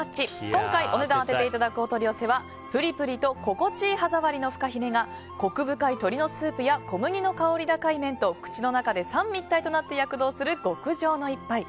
今回お値段を当てていただくお取り寄せはプリプリと心地いい歯触りのフカヒレがコク深い鶏のスープや小麦の香り高い麺と口の中で三位一体となって躍動する極上の一杯。